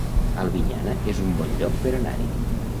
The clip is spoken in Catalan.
Albinyana es un bon lloc per anar-hi